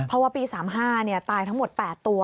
เพราะว่าปี๓๕ตายทั้งหมด๘ตัว